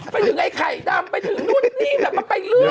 ไปถึงไอ้ไข่ดำไปถึงหนุ่นนี่มาไปเลย